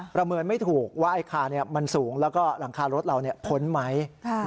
ประเมินไม่ถูกว่าไอ้คามันสูงแล้วก็หลังคารถเราพ้นไหม